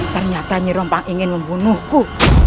ternyata nyerempak ingin membunuhku